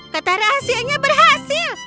kata rahasianya berhasil